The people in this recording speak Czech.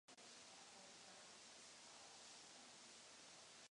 V období Letopisů i období válčících států byl nějakou dobou hlavním městem státu Čchu.